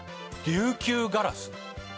琉球ガラス。